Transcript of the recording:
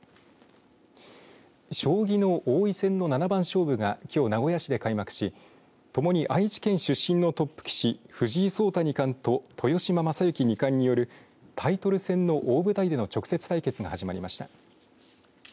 将棋の王位戦の七番勝負がきょう名古屋市で開幕しともに愛知県出身のトップ棋士藤井聡太二冠と豊島将之二冠によるタイトル戦の大舞台での直接対決が始まりました。